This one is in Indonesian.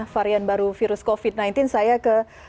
varian baru virus covid sembilan belas saya ke